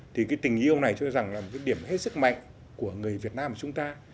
thì cái tình yêu này cho rằng là một cái điểm hết sức mạnh của người việt nam của chúng ta